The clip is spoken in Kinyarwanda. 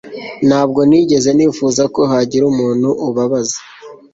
ntabwo nigeze nifuza ko hagira umuntu ubabaza